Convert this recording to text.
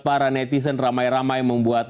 para netizen ramai ramai membuat